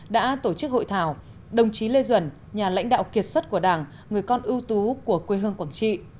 đã tổ chức hội thảo đồng chí lê duẩn nhà lãnh đạo kiệt xuất của đảng người con ưu tú của quê hương quảng trị